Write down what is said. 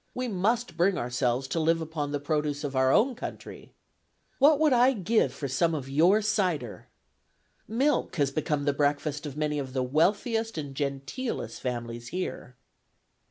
We must bring ourselves to live upon the produce of our own country. What would I give for some of your cider? Milk has become the breakfast of many of the wealthiest and genteelest families here."